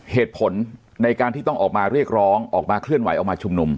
เหตุผลในการที่ต้องออกมาเรียกร้องออกมาเคลื่อนไหวออกมาชุมนุม